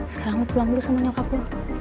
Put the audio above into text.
sekarang mau pulang dulu sama nyokapku